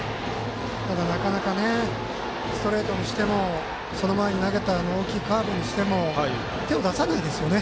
ただ、なかなかストレートにしてもその前に投げた大きいカーブにしても手を出さないですね。